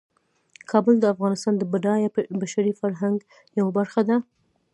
کابل د افغانستان د بډایه بشري فرهنګ یوه برخه ده.